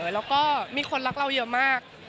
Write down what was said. แล้วก็มีคนรักเราเยอะมาก